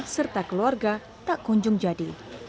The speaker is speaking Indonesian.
serta keluarga tak kunjung jadi